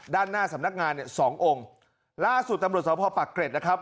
ด้านหน้าสำนักงานเนี่ยสององค์ล่าสุดตำรวจสอบพ่อปากเกร็ดนะครับ